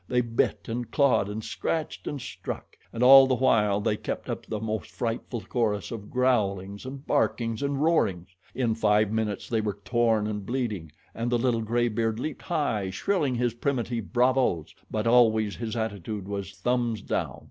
They bit and clawed and scratched and struck, and all the while they kept up the most frightful chorus of growlings and barkings and roarings. In five minutes they were torn and bleeding, and the little graybeard leaped high, shrilling his primitive bravos; but always his attitude was "thumbs down."